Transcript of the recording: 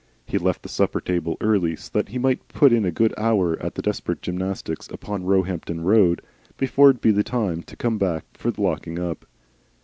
He left the supper table early, so that he might put in a good hour at the desperate gymnastics up the Roehampton Road before it would be time to come back for locking up.